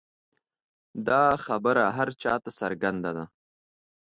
دا خبره هر چا ته څرګنده ده.